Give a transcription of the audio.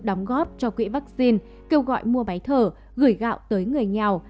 như đóng góp cho quỹ vaccine kêu gọi mua báy thở gửi gạo tới người nghèo